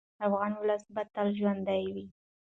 افغان ولس به تل ژوندی وي.